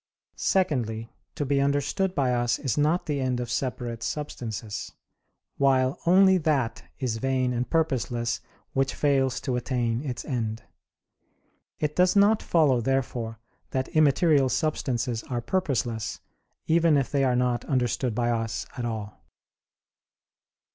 Secondly, to be understood by us is not the end of separate substances: while only that is vain and purposeless, which fails to attain its end. It does not follow, therefore, that immaterial substances are purposeless, even if they are not understood by us at all.